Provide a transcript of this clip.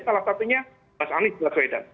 salah satunya mas anies mas weda